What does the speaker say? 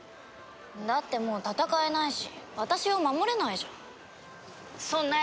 だってもう戦えないし私を守れないじゃん。